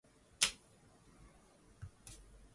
makubaliano yanayozidi kuongezeka kuhusu mauaji ya kibari